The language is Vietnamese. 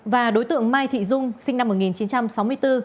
và đối tượng mai thị dung sinh năm một nghìn chín trăm sáu mươi bốn